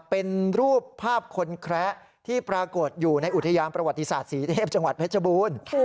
เป็นรูปภาพคนแคระที่ปรากฏอยู่ในอุทยานประวัติศาสตร์ศรีเทพจังหวัดเพชรบูรณ์